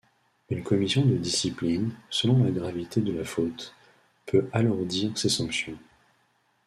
Une commission de discipline, selon la gravité de la faute, peut alourdir ces sanctions.